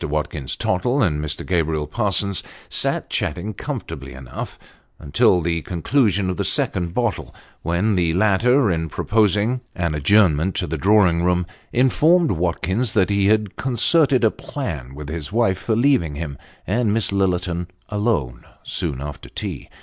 Watkins Tottle and Mr. Gabriel Parsons sat chatting comfortably enough, until the conclusion of the second bottle, when the latter, in proposing an adjournment to the drawing room, informed Watkins that he had concerted a plan with his wife, for leaving him and Miss Lillerton alone, soon after tea.